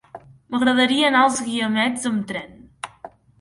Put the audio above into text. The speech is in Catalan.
M'agradaria anar als Guiamets amb tren.